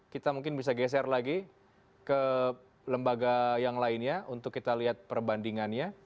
kita mungkin bisa geser lagi ke lembaga yang lainnya untuk kita lihat perbandingannya